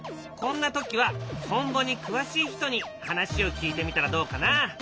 こんな時はトンボに詳しい人に話を聞いてみたらどうかな？